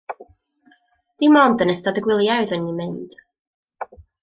Dim ond yn ystod y gwyliau oeddwn i'n mynd.